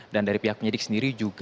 dan dari pihak penyidik sendiri juga